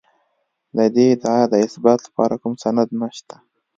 د دې ادعا د اثبات لپاره کوم سند نشته.